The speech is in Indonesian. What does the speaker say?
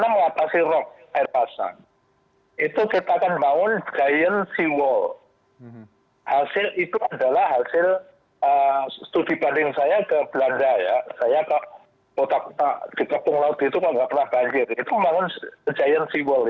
masyarakat harus bertanggung jawab juga terhadap banjir